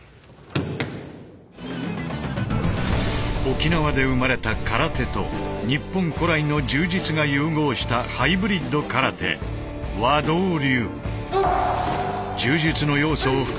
沖縄で生まれた空手と日本古来の柔術が融合したハイブリッド空手和道流。